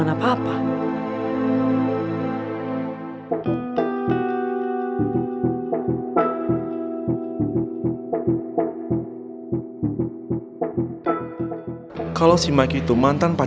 apa bener mikey tuh mantan kamu